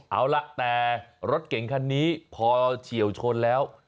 เอาล่ะแต่รถเก่งคันนี้พอเฉียวชนแล้ว